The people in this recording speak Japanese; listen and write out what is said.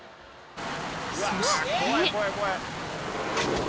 そして。